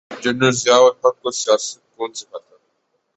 General Zia ul Haq سیاست کون سکھاتا۔